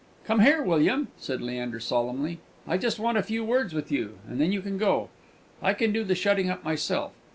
"Come here, William," said Leander, solemnly. "I just want a few words with you, and then you can go. I can do the shutting up myself.